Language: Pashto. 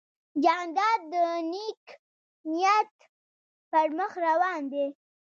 جانداد د نیک نیت پر مخ روان دی.